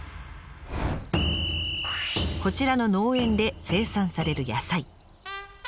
こちらの農園で生産される野菜。